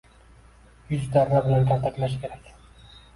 Yuz darra bilan kaltaklash kerak.